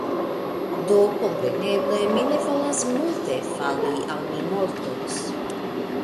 do, kompreneble, mi ne volas multe fali, aŭ mi mortos.